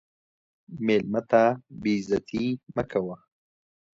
مېلمه ته بې عزتي مه کوه.